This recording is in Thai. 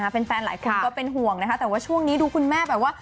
แฟนหลายคนก็เป็นห่วงนะคะแต่ว่าช่วงนี้ดูคุณแม่แบบว่า